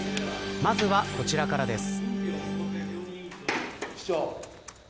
まずは、こちらからです。